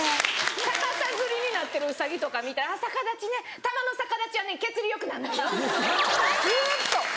逆さづりになってるウサギとか見たら「逆立ちねたまの逆立ちはね血流よくなんねんよ」ずっと。